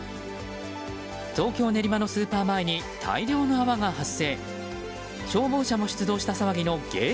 東京・練馬のスーパー前に大量の泡が発生。